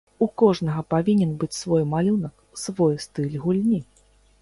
У кожнага павінен быць свой малюнак, свой стыль гульні.